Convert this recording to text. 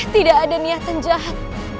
tidak ada niatan jahat